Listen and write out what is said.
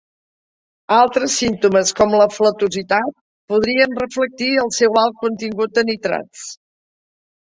Altres símptomes, com la flatositat, podrien reflectir el seu alt contingut en nitrats.